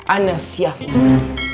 anda siap umi